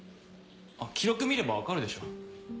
記録見れば分かるでしょ？